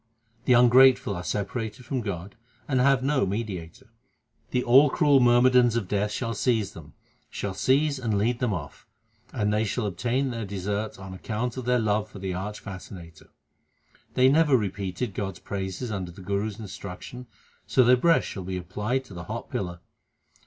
The ungrateful are separated from God and have no mediator. The all cruel myrmidons of Death shall seize them ; Shall seize and lead them off, and they shall obtain their deserts on account of their love for the arch fascinator. They never repeated God s praises under the Guru s instruction, so their breasts shall be applied to the hot pillar.